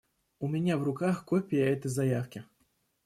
У меня в руках копия этой заявки.